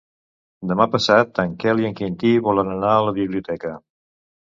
Demà passat en Quel i en Quintí volen anar a la biblioteca.